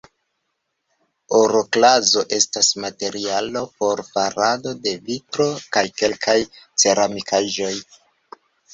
Oroklazo estas materialo por farado de vitro kaj kelkaj ceramikaĵoj.